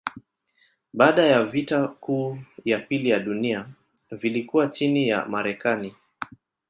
Baada ya vita kuu ya pili ya dunia vilikuwa chini ya Marekani.